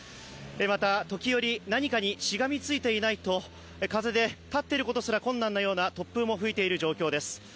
また、時折、何かにしがみついていないと風で立っていることすら困難な突風も吹いているような状況です。